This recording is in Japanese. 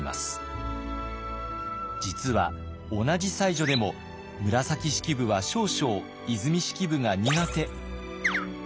実は同じ才女でも紫式部は少々和泉式部が苦手。